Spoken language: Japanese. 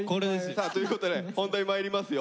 さあということで本題まいりますよ。